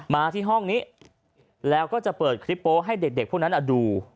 มาที่ห้องนี้แล้วก็จะเปิดคลิปโป๊ให้เด็กพวกนั้นดู